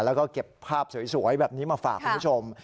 แล้วก็เก็บภาพสวยแบบนี้มาฝากคุณผู้ชม